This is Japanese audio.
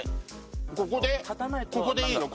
ここでいいの？